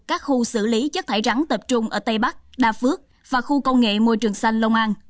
các khu xử lý chất thải rắn tập trung ở tây bắc đa phước và khu công nghệ môi trường xanh lông an